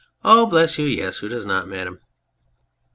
Oh ! Bless you, yes. Who does not. ... Madame